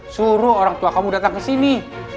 suruh orang tua kamu datang kesini